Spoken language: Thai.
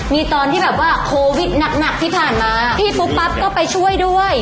มีตอนที่แบบว่าโควิดหนักที่ผ่านมาพี่ปุ๊บปั๊บก็ไปช่วยด้วย